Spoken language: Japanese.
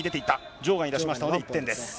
場外に出しましたので１点です。